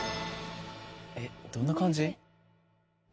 「えっどんな感じ？」